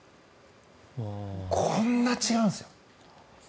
こんな違うんですよ。